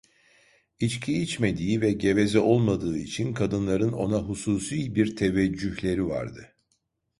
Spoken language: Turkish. İçki içmediği ve geveze olmadığı için, kadınların ona hususi bir teveccühleri vardı.